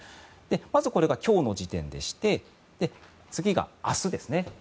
まずこれが今日の時点でして次が明日ですね。